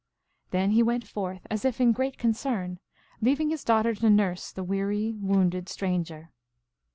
Then he went forth as if in great con cern, leaving his daughter to nurse the weary, wounded stranger.